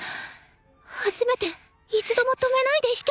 初めて一度も止めないで弾けた！